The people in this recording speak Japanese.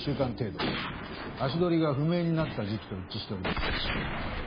足取りが不明になった時期と一致しております。